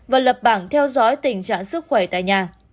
và lập bảng theo dõi tình trạng sức khỏe tại nhà